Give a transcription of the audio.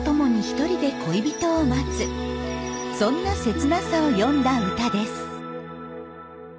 そんな切なさを詠んだ歌です。